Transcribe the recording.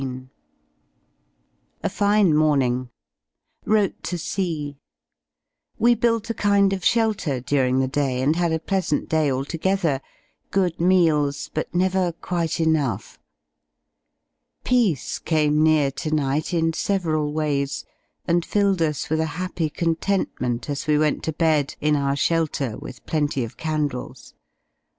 A fine morning; wrote to C We built a kind of shelter during the day, and had a pleasant day altogether; good meals, but never quite enough. Peace came near to night in several w^ays and filled us with a happy content ment as we went to bed in our shelter with plenty of candles.